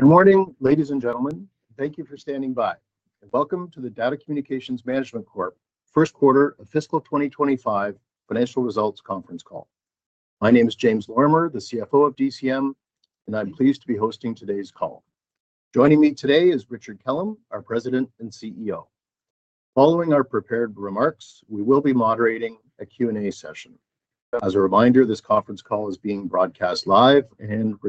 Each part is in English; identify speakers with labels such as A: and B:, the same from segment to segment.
A: Good morning, ladies and gentlemen. Thank you for standing by, and welcome to the Data Communications Management Corp, first quarter of fiscal 2025 financial results conference call. My name is James Lorimer, the CFO of DCM, and I'm pleased to be hosting today's call. Joining me today is Richard Kellam, our President and CEO. Following our prepared remarks, we will be moderating a Q&A session. As a reminder, this conference call is being broadcast live and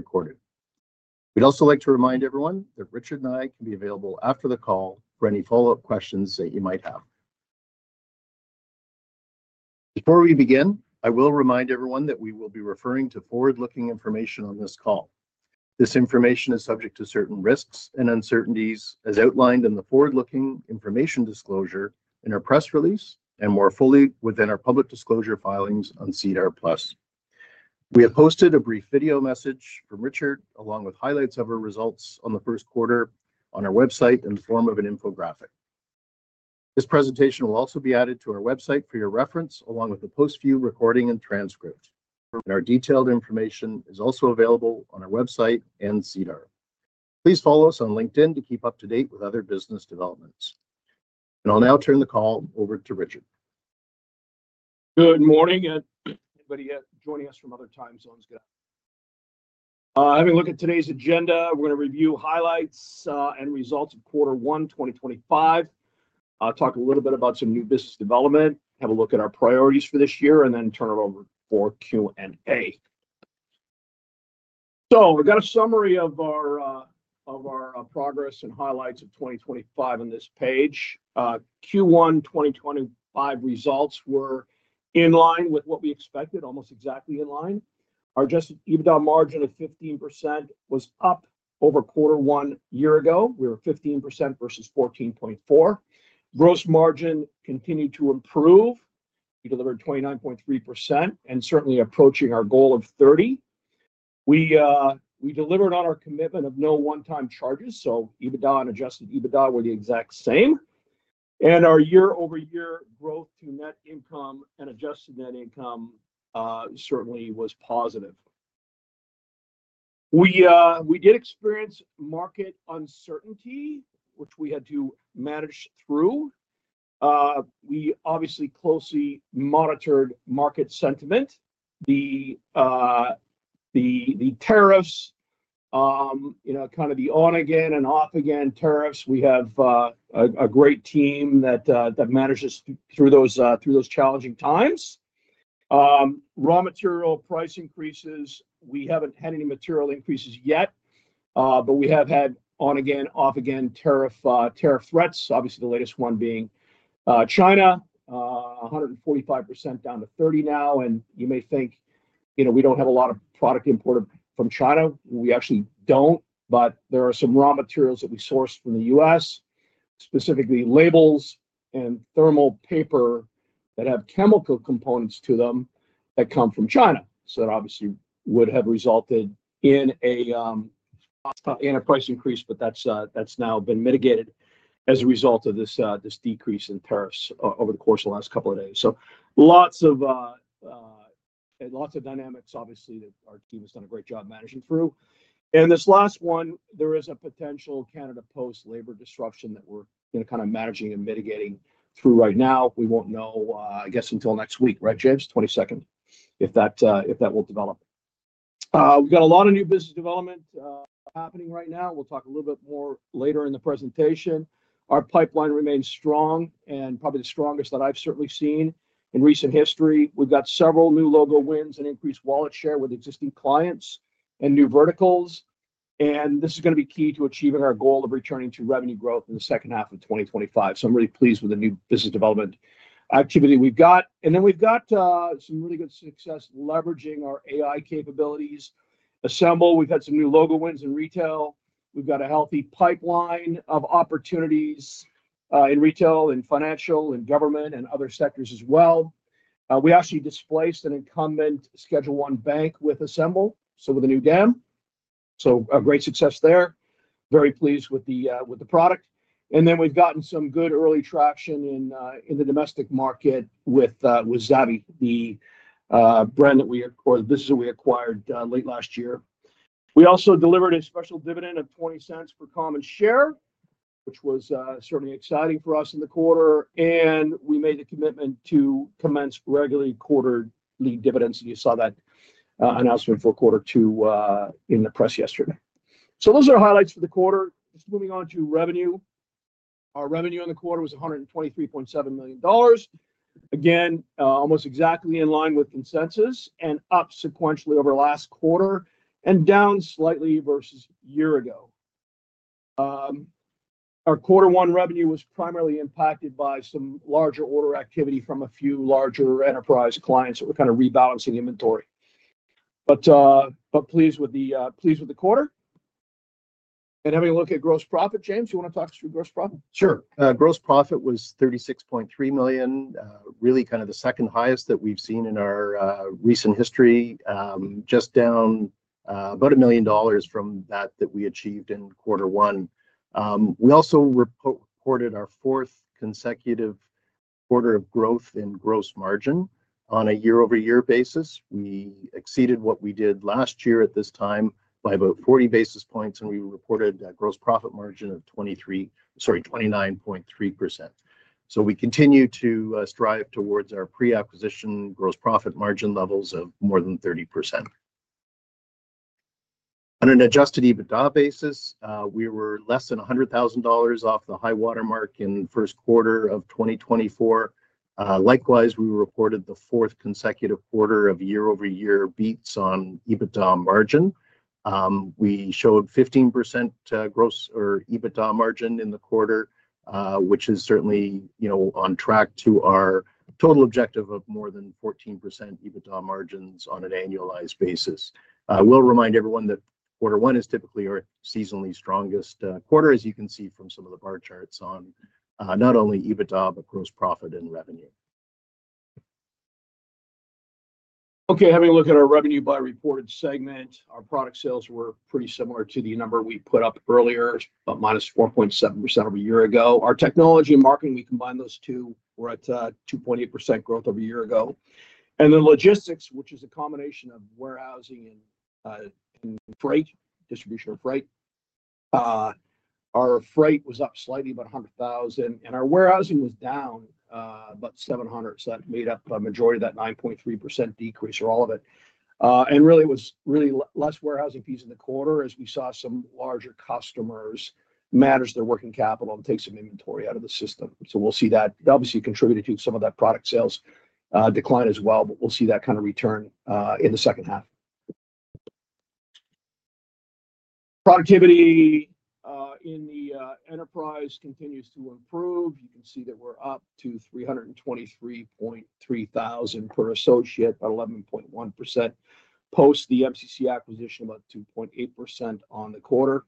A: recorded. We'd also like to remind everyone that Richard and I can be available after the call for any follow-up questions that you might have. Before we begin, I will remind everyone that we will be referring to forward-looking information on this call. This information is subject to certain risks and uncertainties, as outlined in the forward-looking information disclosure, in our press release, and more fully within our public disclosure filings on SEDAR+. We have posted a brief video message from Richard, along with highlights of our results on the first quarter, on our website in the form of an infographic. This presentation will also be added to our website for your reference, along with the post-view recording and transcript. Our detailed information is also available on our website and SEDAR. Please follow us on LinkedIn to keep up to date with other business developments. I will now turn the call over to Richard.
B: Good morning. Anybody joining us from other time zones? Good afternoon. Having a look at today's agenda, we're going to review highlights and results of quarter one, 2025. Talk a little bit about some new business development, have a look at our priorities for this year, and then turn it over for Q&A. We have a summary of our progress and highlights of 2025 on this page. Q1 2025 results were in line with what we expected, almost exactly in line. Our adjusted EBITDA margin of 15% was up over quarter one a year ago. We were 15% versus 14.4%. Gross margin continued to improve. We delivered 29.3% and certainly are approaching our goal of 30%. We delivered on our commitment of no one-time charges. EBITDA and adjusted EBITDA were the exact same. Our year-over-year growth to net income and adjusted net income certainly was positive. We did experience market uncertainty, which we had to manage through. We obviously closely monitored market sentiment. The tariffs, kind of the on-again and off-again tariffs. We have a great team that manages through those challenging times. Raw material price increases. We have not had any material increases yet, but we have had on-again, off-again tariff threats. Obviously, the latest one being China, 145% down to 30% now. You may think we do not have a lot of product imported from China. We actually do not, but there are some raw materials that we source from the U.S., specifically labels and thermal paper that have chemical components to them that come from China. That obviously would have resulted in a price increase, but that has now been mitigated as a result of this decrease in tariffs over the course of the last couple of days. Lots of dynamics, obviously, that our team has done a great job managing through. This last one, there is a potential Canada Post labor disruption that we're kind of managing and mitigating through right now. We won't know, I guess, until next week, right, James? Twenty-second, if that will develop. We've got a lot of new business development happening right now. We'll talk a little bit more later in the presentation. Our pipeline remains strong and probably the strongest that I've certainly seen in recent history. We've got several new logo wins and increased wallet share with existing clients and new verticals. This is going to be key to achieving our goal of returning to revenue growth in the second half of 2025. I'm really pleased with the new business development activity we've got. We've got some really good success leveraging our AI capabilities. ASMBL, we've had some new logo wins in retail. We've got a healthy pipeline of opportunities in retail and financial and government and other sectors as well. We actually displaced an incumbent Schedule I bank with ASMBL, so with a new DAM. Great success there. Very pleased with the product. Then we've gotten some good early traction in the domestic market with Zavy, the brand that we acquired. This is what we acquired late last year. We also delivered a special dividend of 0.20 per common share, which was certainly exciting for us in the quarter. We made the commitment to commence regular quarterly dividends. You saw that announcement for quarter two in the press yesterday. Those are the highlights for the quarter. Just moving on to revenue. Our revenue in the quarter was 123.7 million dollars. Again, almost exactly in line with consensus and up sequentially over the last quarter and down slightly versus a year ago. Our quarter one revenue was primarily impacted by some larger order activity from a few larger enterprise clients that were kind of rebalancing inventory. Pleased with the quarter. Having a look at gross profit, James, do you want to talk us through gross profit?
A: Sure. Gross profit was 36.3 million, really kind of the second highest that we've seen in our recent history, just down about 1 million dollars from that that we achieved in quarter one. We also reported our fourth consecutive quarter of growth in gross margin on a year-over-year basis. We exceeded what we did last year at this time by about 40 basis points, and we reported a gross profit margin of 29.3%. We continue to strive towards our pre-acquisition gross profit margin levels of more than 30%. On an adjusted EBITDA basis, we were less than 100,000 dollars off the high watermark in the first quarter of 2024. Likewise, we reported the fourth consecutive quarter of year-over-year beats on EBITDA margin. We showed 15% gross or EBITDA margin in the quarter, which is certainly on track to our total objective of more than 14% EBITDA margins on an annualized basis. I will remind everyone that quarter one is typically our seasonally strongest quarter, as you can see from some of the bar charts on not only EBITDA, but gross profit and revenue.
B: Okay. Having a look at our revenue by reported segment, our product sales were pretty similar to the number we put up earlier, about -4.7% over a year ago. Our technology and marketing, we combined those two, were at 2.8% growth over a year ago. Logistics, which is a combination of warehousing and freight, distribution of freight. Our freight was up slightly, about 100,000. Our warehousing was down about 700,000, so that made up a majority of that -9.3% decrease or all of it. It was really less warehousing fees in the quarter as we saw some larger customers manage their working capital and take some inventory out of the system. Obviously, it contributed to some of that product sales decline as well, but we'll see that kind of return in the second half. Productivity in the enterprise continues to improve. You can see that we're up to 323,300 per associate, about 11.1% post the MCC acquisition, about 2.8% on the quarter,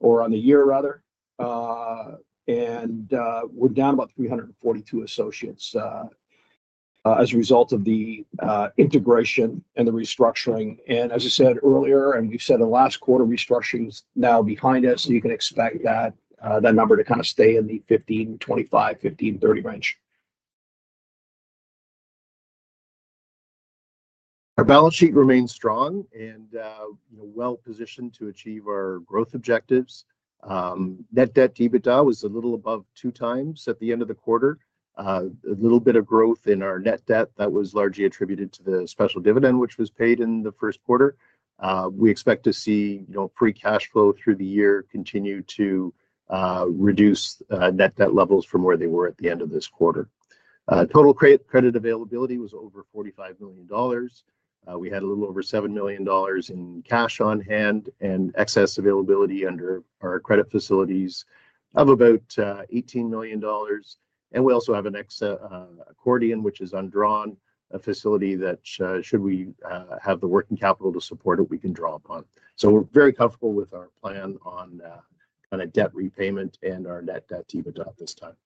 B: or on the year, rather. We're down about 342 associates as a result of the integration and the restructuring. As I said earlier, and we've said in the last quarter, restructuring is now behind us. You can expect that number to kind of stay in the 15, 25-15, 30 range.
A: Our balance sheet remains strong and well-positioned to achieve our growth objectives. Net debt to EBITDA was a little above two times at the end of the quarter. A little bit of growth in our net debt that was largely attributed to the special dividend, which was paid in the first quarter. We expect to see free cash flow through the year continue to reduce net debt levels from where they were at the end of this quarter. Total credit availability was over 45 million dollars. We had a little over 7 million dollars in cash on hand and excess availability under our credit facilities of about 18 million dollars. We also have an accordion, which is undrawn, a facility that should we have the working capital to support it, we can draw upon. We're very comfortable with our plan on kind of debt repayment and our net debt to EBITDA at this time.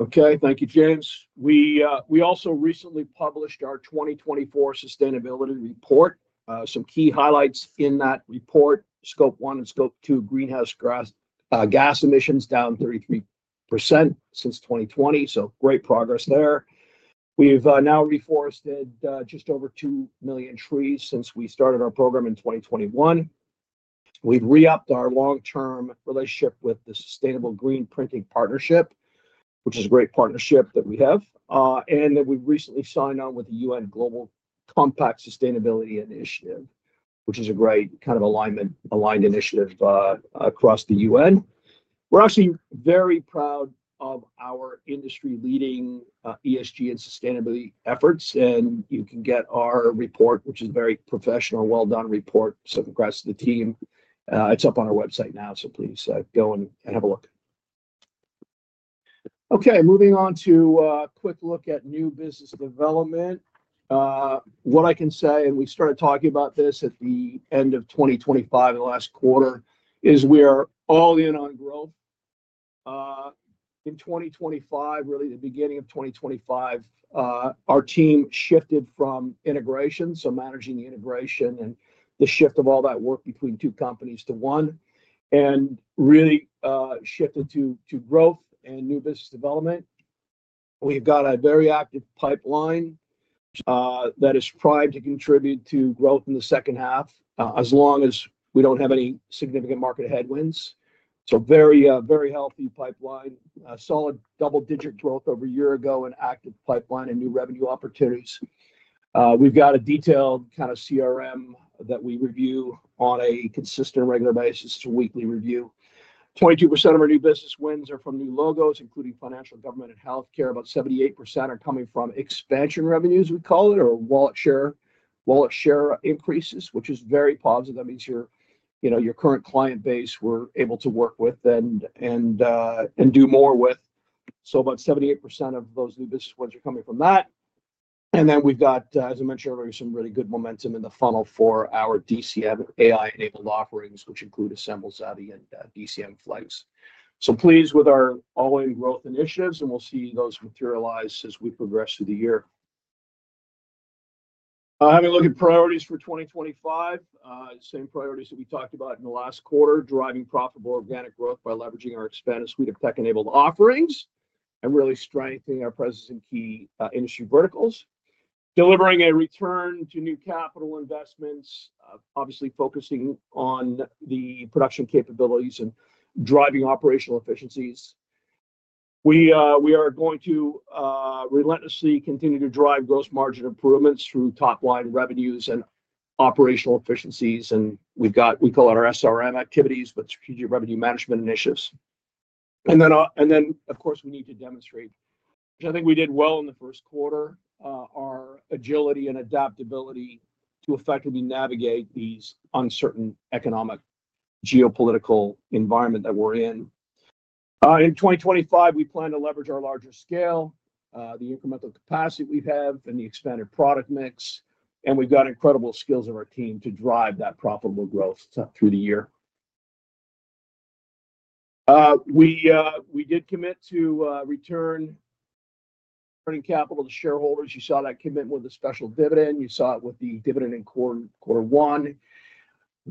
B: Okay. Thank you, James. We also recently published our 2024 sustainability report. Some key highlights in that report, scope one and scope two greenhouse gas emissions down 33% since 2020. Great progress there. We've now reforested just over 2 million trees since we started our program in 2021. We've re-upped our long-term relationship with the Sustainable Green Printing Partnership, which is a great partnership that we have. We recently signed on with the UN Global Compact Sustainability Initiative, which is a great kind of aligned initiative across the UN. We're actually very proud of our industry-leading ESG and sustainability efforts. You can get our report, which is a very professional, well-done report, sent across to the team. It's up on our website now, so please go and have a look. Okay. Moving on to a quick look at new business development. What I can say, and we started talking about this at the end of 2023, the last quarter, is we are all in on growth. In 2024, really the beginning of 2024, our team shifted from integration, so managing the integration and the shift of all that work between two companies to one, and really shifted to growth and new business development. We've got a very active pipeline that is primed to contribute to growth in the second half as long as we do not have any significant market headwinds. Very healthy pipeline, solid double-digit growth over a year ago, and active pipeline and new revenue opportunities. We've got a detailed kind of CRM that we review on a consistent regular basis, a weekly review. 22% of our new business wins are from new logos, including financial, government, and healthcare. About 78% are coming from expansion revenues, we call it, or wallet share increases, which is very positive. That means your current client base we're able to work with and do more with. About 78% of those new business ones are coming from that. We have, as I mentioned earlier, some really good momentum in the funnel for our DCM AI-enabled offerings, which include ASMBL, Zavy, and DCM Flex. Pleased with our all-in growth initiatives, and we will see those materialize as we progress through the year. Having a look at priorities for 2025, same priorities that we talked about in the last quarter, driving profitable organic growth by leveraging our expanded suite of tech-enabled offerings and really strengthening our presence in key industry verticals, delivering a return to new capital investments, obviously focusing on the production capabilities and driving operational efficiencies. We are going to relentlessly continue to drive gross margin improvements through top-line revenues and operational efficiencies. We call it our SRM activities, but strategic revenue management initiatives. Of course, we need to demonstrate, which I think we did well in the first quarter, our agility and adaptability to effectively navigate this uncertain economic geopolitical environment that we're in. In 2025, we plan to leverage our larger scale, the incremental capacity we have, and the expanded product mix. We have incredible skills on our team to drive that profitable growth through the year. We did commit to returning capital to shareholders. You saw that commitment with the special dividend. You saw it with the dividend in quarter one.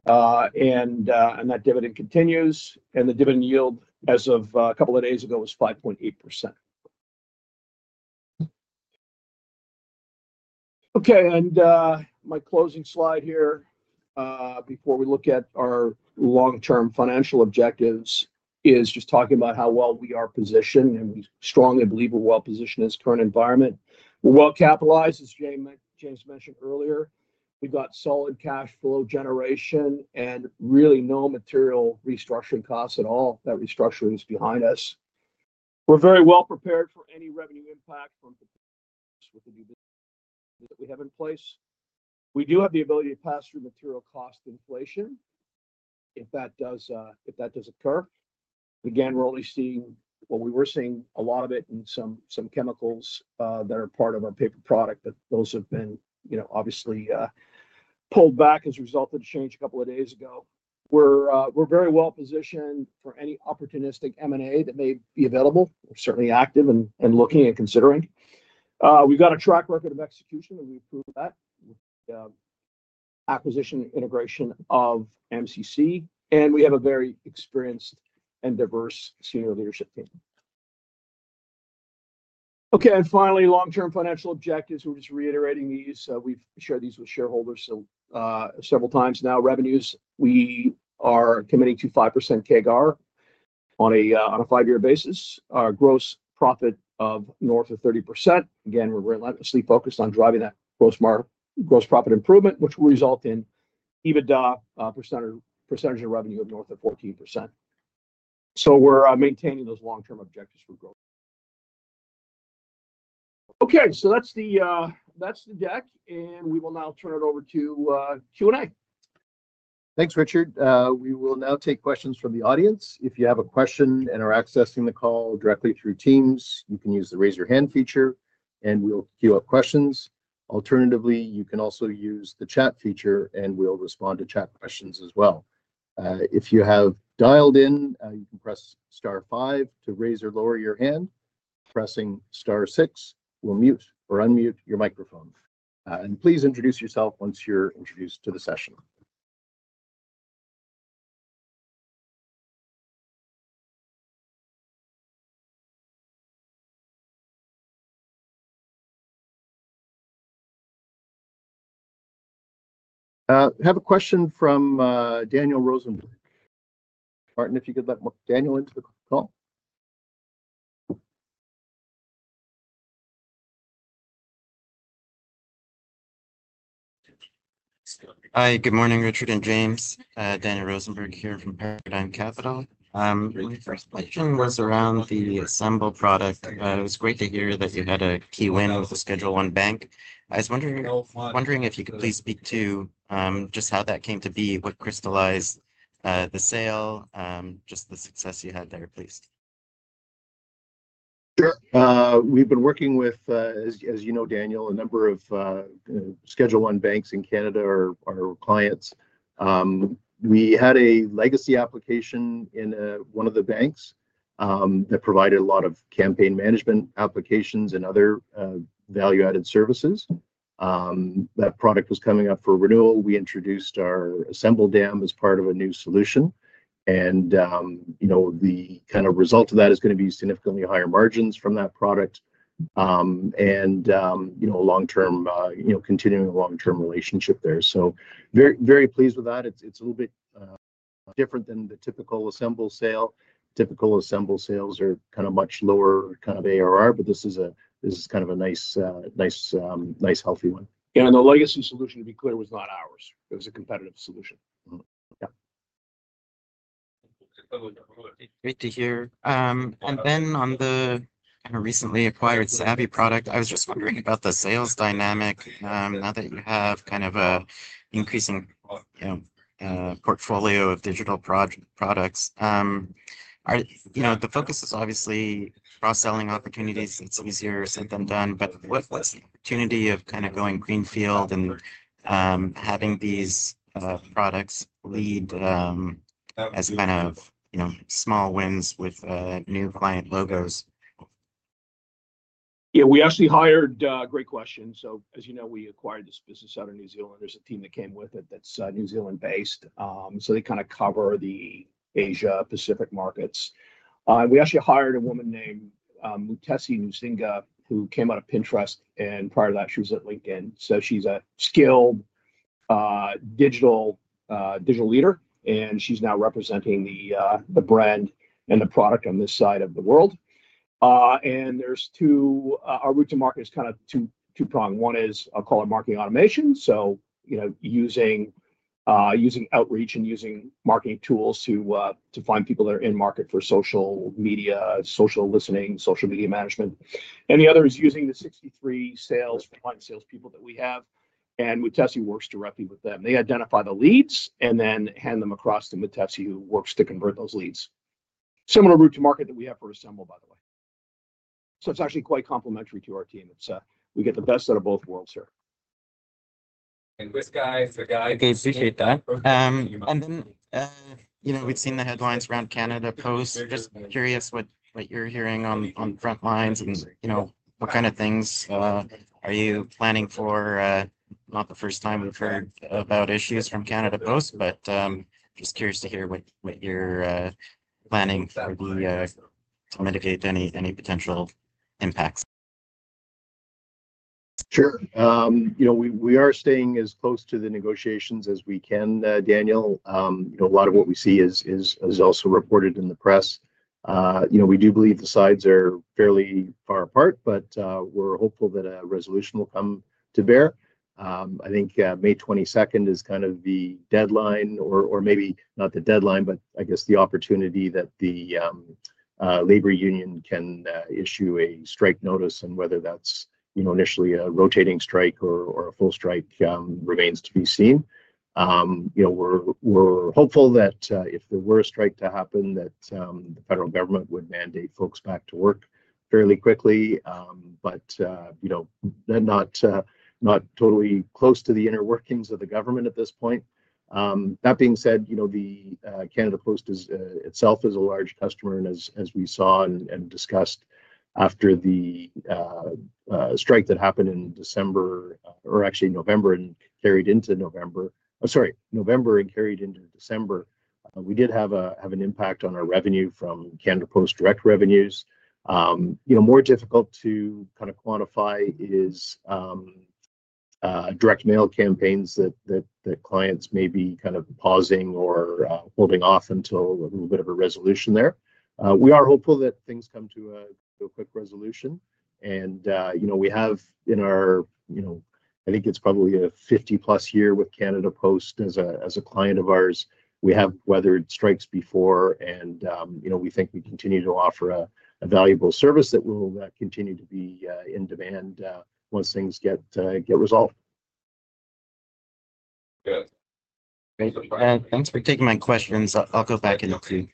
B: That dividend continues. The dividend yield, as of a couple of days ago, was 5.8%. My closing slide here before we look at our long-term financial objectives is just talking about how well we are positioned, and we strongly believe we are well positioned in this current environment. We are well capitalized, as James mentioned earlier. We have got solid cash flow generation and really no material restructuring costs at all. That restructuring is behind us. We are very well prepared for any revenue impact from the new business that we have in place. We do have the ability to pass through material cost inflation if that does occur. Again, we are only seeing what we were seeing, a lot of it, and some chemicals that are part of our paper product, but those have been obviously pulled back as a result of the change a couple of days ago. We are very well positioned for any opportunistic M&A that may be available. We are certainly active and looking and considering. We've got a track record of execution, and we've proved that with the acquisition integration of MCC. We have a very experienced and diverse senior leadership team. Okay. Finally, long-term financial objectives. We're just reiterating these. We've shared these with shareholders several times now. Revenues, we are committing to 5% CAGR on a five-year basis. Our gross profit of north of 30%. Again, we're relentlessly focused on driving that gross profit improvement, which will result in EBITDA percentage of revenue of north of 14%. We're maintaining those long-term objectives for growth. Okay. That's the deck, and we will now turn it over to Q&A.
A: Thanks, Richard. We will now take questions from the audience. If you have a question and are accessing the call directly through Teams, you can use the raise your hand feature, and we'll queue up questions. Alternatively, you can also use the chat feature, and we'll respond to chat questions as well. If you have dialed in, you can press star five to raise or lower your hand. Pressing star six will mute or unmute your microphone. Please introduce yourself once you're introduced to the session. I have a question from Daniel Rosenberg. Martin, if you could let Daniel into the call.
C: Hi. Good morning, Richard and James. Daniel Rosenberg here from Paradigm Capital. My first question was around the ASMBL product. It was great to hear that you had a key win with the Schedule I bank. I was wondering if you could please speak to just how that came to be, what crystallized the sale, just the success you had there, please.
A: Sure. We've been working with, as you know, Daniel, a number of Schedule I banks in Canada are our clients. We had a legacy application in one of the banks that provided a lot of campaign management applications and other value-added services. That product was coming up for renewal. We introduced our ASMBL DAM as part of a new solution. The kind of result of that is going to be significantly higher margins from that product and a long-term, continuing long-term relationship there. Very pleased with that. It's a little bit different than the typical ASMBL sale. Typical ASMBL sales are kind of much lower kind of ARR, but this is kind of a nice, nice healthy one.
B: Yeah. The legacy solution, to be clear, was not ours. It was a competitive solution. Yeah.
C: Great to hear. On the kind of recently acquired Zavy product, I was just wondering about the sales dynamic now that you have kind of an increasing portfolio of digital products. The focus is obviously cross-selling opportunities. It is easier said than done. What is the opportunity of kind of going greenfield and having these products lead as kind of small wins with new client logos?
A: Yeah. We actually hired—great question. As you know, we acquired this business out of New Zealand. There is a team that came with it that is New Zealand-based. They kind of cover the Asia-Pacific markets. We actually hired a woman named Mutesi Nzinga who came out of Pinterest. Prior to that, she was at LinkedIn. She is a skilled digital leader, and she is now representing the brand and the product on this side of the world. Our route to market is kind of two-pronged. One is, I will call it marketing automation, using outreach and using marketing tools to find people that are in market for social media, social listening, social media management. The other is using the 63 client salespeople that we have. Mutesi works directly with them. They identify the leads and then hand them across to Mutesi, who works to convert those leads. Similar route to market that we have for ASMBL, by the way. It is actually quite complementary to our team. We get the best out of both worlds here. Chris, guys, the guy.
C: Thank you. Appreciate that. We've seen the headlines around Canada Post. Just curious what you're hearing on front lines and what kind of things are you planning for? Not the first time we've heard about issues from Canada Post, but just curious to hear what you're planning to mitigate any potential impacts.
A: Sure. We are staying as close to the negotiations as we can, Daniel. A lot of what we see is also reported in the press. We do believe the sides are fairly far apart, but we're hopeful that a resolution will come to bear. I think May 22nd is kind of the deadline, or maybe not the deadline, but I guess the opportunity that the labor union can issue a strike notice. Whether that's initially a rotating strike or a full strike remains to be seen. We're hopeful that if there were a strike to happen, that the federal government would mandate folks back to work fairly quickly, but not totally close to the inner workings of the government at this point. That being said, Canada Post itself is a large customer. As we saw and discussed after the strike that happened in November and carried into December, we did have an impact on our revenue from Canada Post direct revenues. More difficult to kind of quantify is direct mail campaigns that clients may be kind of pausing or holding off until a little bit of a resolution there. We are hopeful that things come to a quick resolution. We have, in our—I think it is probably a 50-plus year with Canada Post as a client of ours. We have weathered strikes before, and we think we continue to offer a valuable service that will continue to be in demand once things get resolved.
C: Good. Thanks for taking my questions. I'll go back into—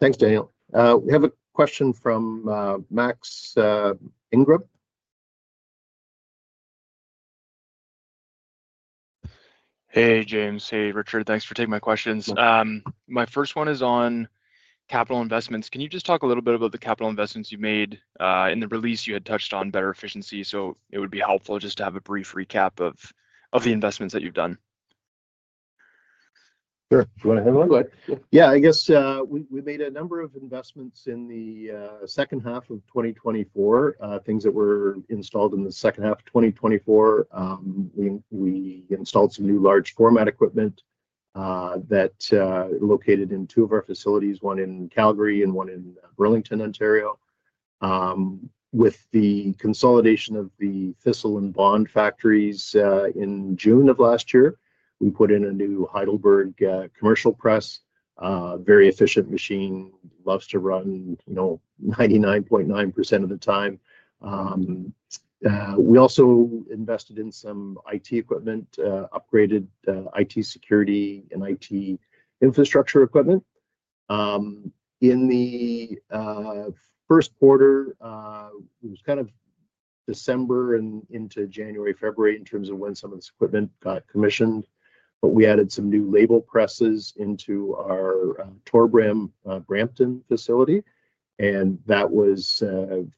A: Thanks, Daniel. We have a question from Max Ingram.
D: Hey, James. Hey, Richard. Thanks for taking my questions. My first one is on capital investments. Can you just talk a little bit about the capital investments you made in the release? You had touched on better efficiency. It would be helpful just to have a brief recap of the investments that you've done.
A: Sure. You want to handle it?
B: Go ahead.
A: Yeah. I guess we made a number of investments in the second half of 2024, things that were installed in the second half of 2024. We installed some new large-format equipment that is located in two of our facilities, one in Calgary and one in Burlington, Ontario. With the consolidation of the Thistle/Bond factories in June of last year, we put in a new HEIDELBERG commercial press, a very efficient machine that loves to run 99.9% of the time. We also invested in some IT equipment, upgraded IT security, and IT infrastructure equipment. In the first quarter, it was kind of December and into January, February in terms of when some of this equipment got commissioned. We added some new label presses into our Torbram, Brampton facility. That was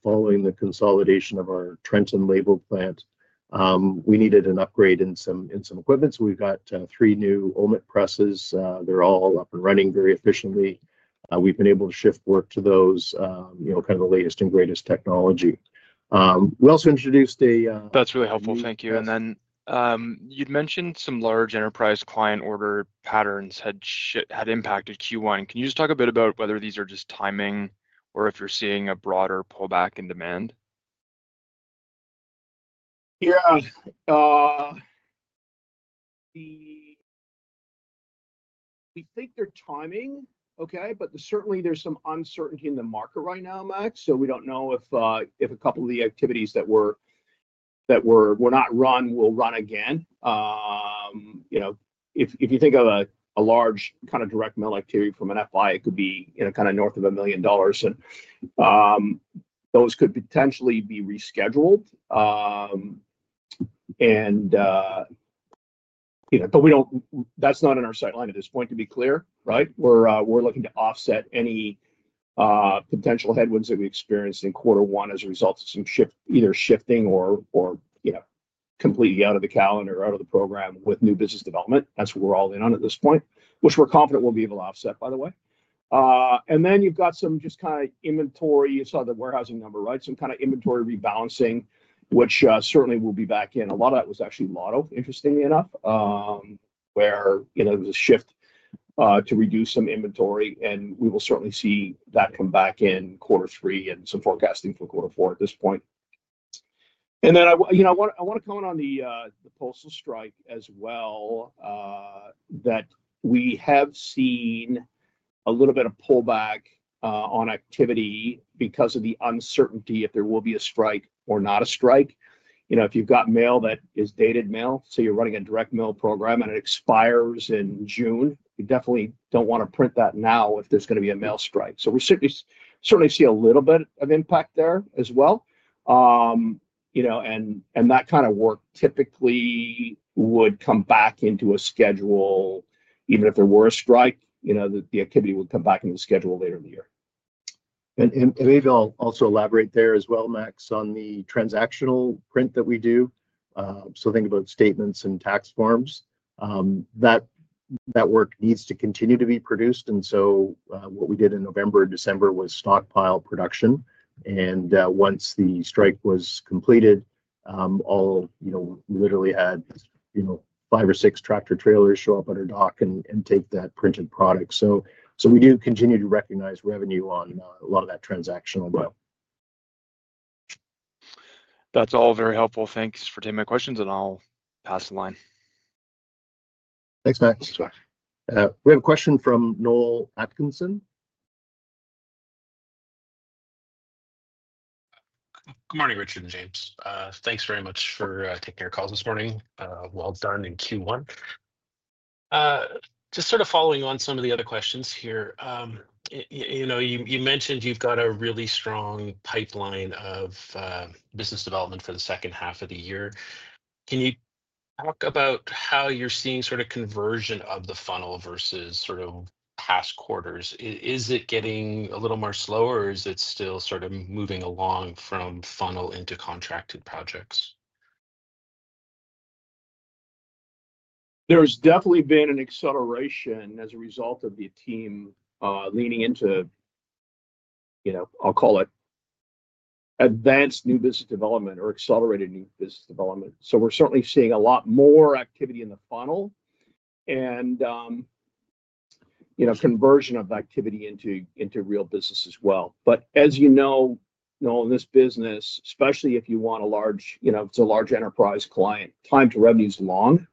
A: following the consolidation of our Treton label plant. We needed an upgrade in some equipment. We've got three new Komori presses. They're all up and running very efficiently. We've been able to shift work to those, kind of the latest and greatest technology. We also introduced a—
D: That's really helpful. Thank you. You'd mentioned some large enterprise client order patterns had impacted Q1. Can you just talk a bit about whether these are just timing or if you're seeing a broader pullback in demand?
A: Yeah. We think their timing is okay, but certainly there's some uncertainty in the market right now, Max. We don't know if a couple of the activities that were not run will run again. If you think of a large kind of direct mail activity from an FY, it could be kind of north of $1 million. Those could potentially be rescheduled. That is not in our sight line at this point, to be clear, right? We are looking to offset any potential headwinds that we experienced in quarter one as a result of some either shifting or completely out of the calendar or out of the program with new business development. That is what we are all in on at this point, which we are confident we will be able to offset, by the way. You have got some just kind of inventory. You saw the warehousing number, right? Some kind of inventory rebalancing, which certainly will be back in. A lot of that was actually lotto, interestingly enough, where there was a shift to reduce some inventory. We will certainly see that come back in quarter three and some forecasting for quarter four at this point. I want to comment on the postal strike as well, that we have seen a little bit of pullback on activity because of the uncertainty if there will be a strike or not a strike. If you have got mail that is dated mail, so you are running a direct mail program and it expires in June, you definitely do not want to print that now if there is going to be a mail strike. We certainly see a little bit of impact there as well. That kind of work typically would come back into a schedule. Even if there were a strike, the activity would come back into the schedule later in the year. Maybe I'll also elaborate there as well, Max, on the transactional print that we do. Think about statements and tax forms. That work needs to continue to be produced. What we did in November and December was stockpile production. Once the strike was completed, we literally had five or six tractor trailers show up at our dock and take that printed product. We do continue to recognize revenue on a lot of that transactional growth.
D: That's all very helpful. Thanks for taking my questions, and I'll pass the line.
A: Thanks, Max. We have a question from Noel Atkinson.
E: Good morning, Richard and James. Thanks very much for taking our calls this morning. Well done in Q1. Just sort of following on some of the other questions here. You mentioned you've got a really strong pipeline of business development for the second half of the year. Can you talk about how you're seeing sort of conversion of the funnel versus sort of past quarters? Is it getting a little more slower, or is it still sort of moving along from funnel into contracted projects?
A: There's definitely been an acceleration as a result of the team leaning into, I'll call it, advanced new business development or accelerated new business development. We're certainly seeing a lot more activity in the funnel and conversion of activity into real business as well. As you know, in this business, especially if you want a large—it's a large enterprise client, time to revenue is long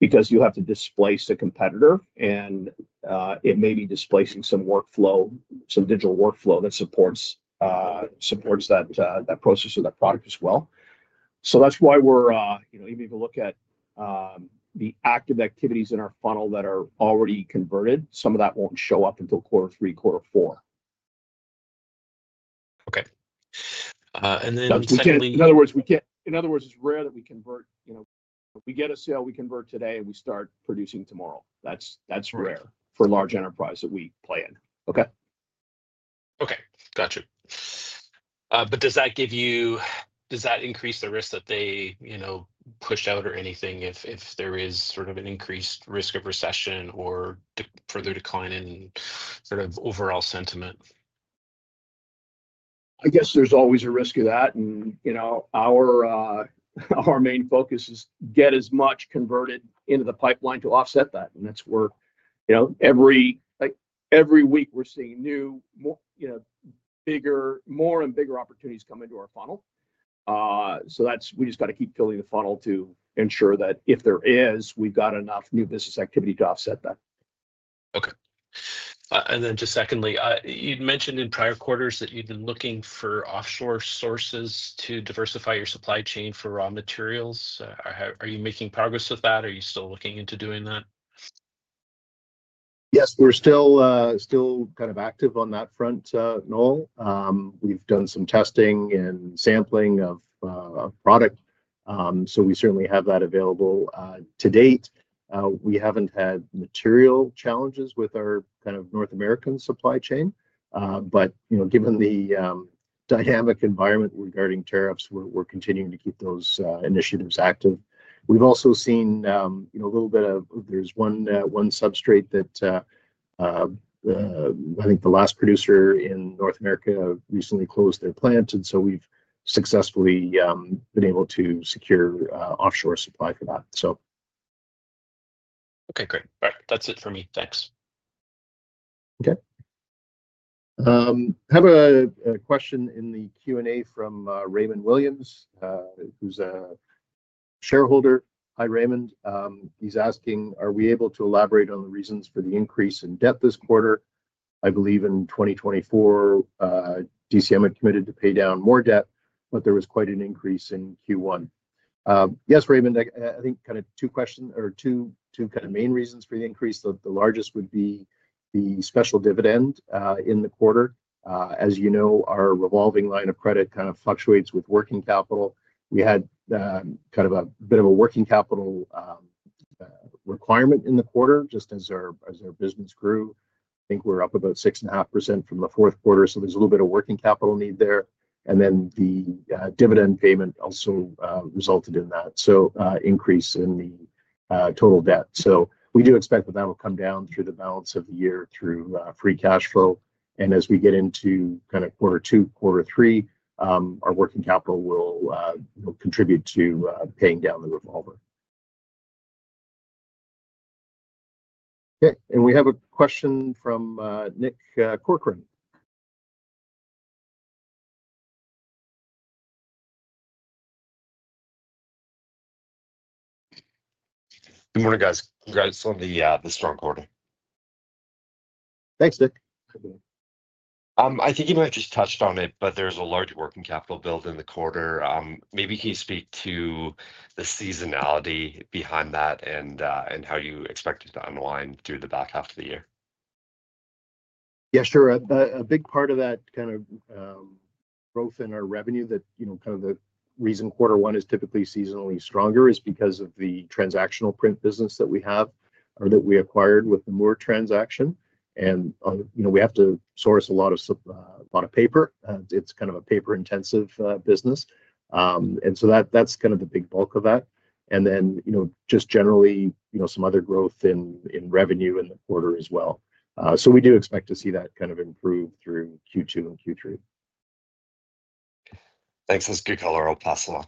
A: because you have to displace a competitor. It may be displacing some workflow, some digital workflow that supports that process or that product as well. That's why we're—even if you look at the active activities in our funnel that are already converted, some of that won't show up until quarter three, quarter four.
E: Okay. Secondly.
A: In other words, it's rare that we convert. If we get a sale, we convert today, and we start producing tomorrow. That's rare for large enterprise that we play in. Okay.
E: Okay. Gotcha. Does that give you—does that increase the risk that they push out or anything if there is sort of an increased risk of recession or further decline in sort of overall sentiment?
A: I guess there's always a risk of that. Our main focus is to get as much converted into the pipeline to offset that. That's where every week we're seeing new, bigger, more and bigger opportunities come into our funnel. We just got to keep filling the funnel to ensure that if there is, we've got enough new business activity to offset that.
E: Okay. And then just secondly, you'd mentioned in prior quarters that you've been looking for offshore sources to diversify your supply chain for raw materials. Are you making progress with that? Are you still looking into doing that?
A: Yes. We're still kind of active on that front, Noel. We've done some testing and sampling of product. So we certainly have that available to date. We haven't had material challenges with our kind of North American supply chain. Given the dynamic environment regarding tariffs, we're continuing to keep those initiatives active. We've also seen a little bit of—there's one substrate that I think the last producer in North America recently closed their plant. We've successfully been able to secure offshore supply for that, so.
E: Okay. Great. All right. That's it for me. Thanks.
A: Okay. I have a question in the Q&A from Raymond Williams, who's a shareholder. Hi, Raymond. He's asking, "Are we able to elaborate on the reasons for the increase in debt this quarter? I believe in 2024, DCM had committed to pay down more debt, but there was quite an increase in Q1." Yes, Raymond, I think kind of two questions or two kind of main reasons for the increase. The largest would be the special dividend in the quarter. As you know, our revolving line of credit kind of fluctuates with working capital. We had kind of a bit of a working capital requirement in the quarter just as our business grew. I think we're up about 6.5% from the fourth quarter. There is a little bit of working capital need there. The dividend payment also resulted in that, so an increase in the total debt. We do expect that that will come down through the balance of the year through free cash flow. As we get into kind of quarter two, quarter three, our working capital will contribute to paying down the revolver. Okay. We have a question from Nick Corcoran.
F: Good morning, guys. Congrats on the strong quarter.
A: Thanks, Nick.
F: I think you might have just touched on it, but there's a large working capital build in the quarter. Maybe can you speak to the seasonality behind that and how you expect it to unwind through the back half of the year?
A: Yeah, sure. A big part of that kind of growth in our revenue, that kind of the reason quarter one is typically seasonally stronger is because of the transactional print business that we have or that we acquired with the Moore transaction. We have to source a lot of paper. It's kind of a paper-intensive business. That's kind of the big bulk of that. Just generally, some other growth in revenue in the quarter as well. We do expect to see that kind of improve through Q2 and Q3.
F: Thanks. That's good, Lorimer. I'll pass along.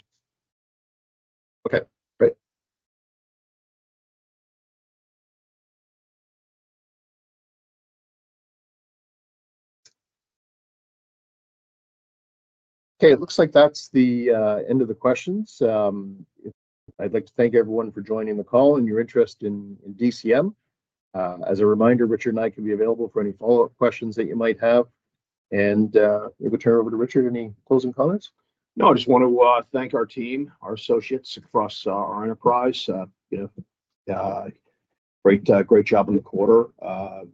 A: Okay. Great. Okay. It looks like that's the end of the questions. I'd like to thank everyone for joining the call and your interest in DCM. As a reminder, Richard and I can be available for any follow-up questions that you might have. We'll turn it over to Richard. Any closing comments?
B: No, I just want to thank our team, our associates across our enterprise. Great job in the quarter.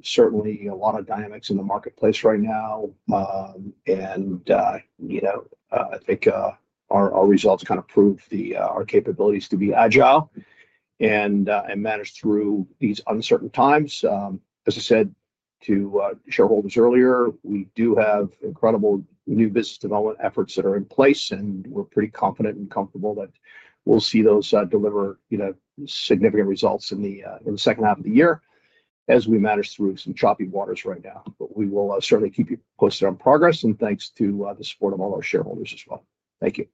B: Certainly, a lot of dynamics in the marketplace right now. I think our results kind of prove our capabilities to be agile and manage through these uncertain times. As I said to shareholders earlier, we do have incredible new business development efforts that are in place. We're pretty confident and comfortable that we'll see those deliver significant results in the second half of the year as we manage through some choppy waters right now. We will certainly keep you posted on progress. Thanks to the support of all our shareholders as well. Thank you.